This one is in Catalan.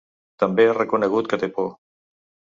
També ha reconegut que té por.